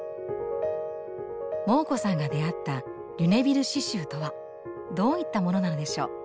モー子さんが出会ったリュネビル刺しゅうとはどういったものなのでしょう？